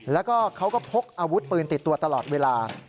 แล้วก็เขาก็พกอาวุธปืนติดตัวตลอดเวลา